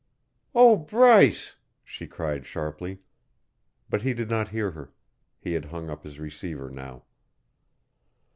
"Oh, Bryce!" she cried sharply. But he did not hear her; he had hung up his receiver now.